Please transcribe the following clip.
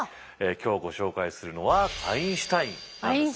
今日ご紹介するのはアインシュタインなんですね。